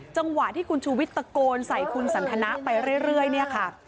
จังหวะที่คุณชูวิทย์ตะโกนใส่คุณสันทนะไปเรื่อยเนี่ยค่ะ